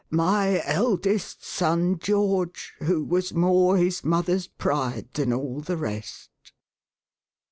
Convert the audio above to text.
"My eldest son, George, who was more his mother's pride than all the rest